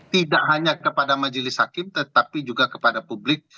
tidak hanya kepada majelis hakim tetapi juga kepada publik